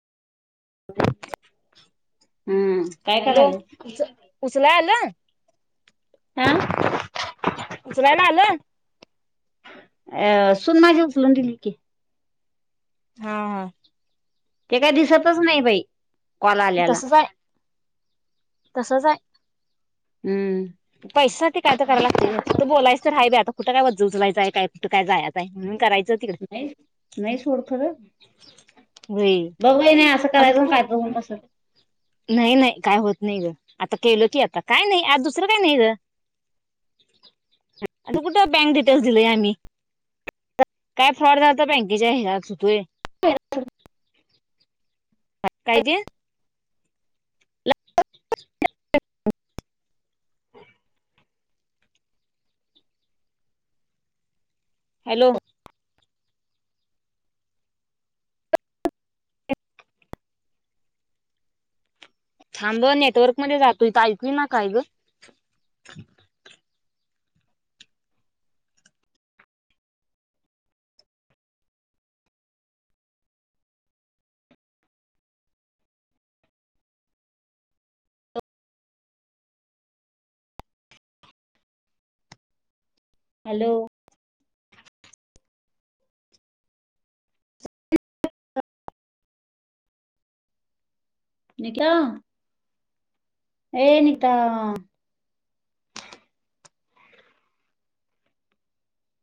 हम्म काय काय झालं उसल हल हां सुनायला आल अ सून माझी उचलून दिली की हा हा ते काय दिसतच नाही बाई कोला आलेला तसच आहे तसच आहे हम्म पैसासाठी काय तर कराय लागते फक्त बोलायच तर आहेय बे आता कुठं काय जुजलायचय काय कुठं काय जायचंय म्हणून कयच नाही नाही सोडखर होय बघय नाही असं करायचं आम्ही पाहित कस नाही नाही काय होत नाही ग आता केलं की आता काय नाही आज दुसरं काय नाही ग आता कुठं बँक डिटेल्स दिलेय आम्ही काय फ्रॉड झा बँकेच्या आहे सुतोय कायज ह हो हॅलो थांब नेटवर्क मध्ये जातोय ऐकली ना काय ग हॅलो न का्या ए नता